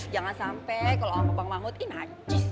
jangan sampe kalau om ngebang mahmud ini hajis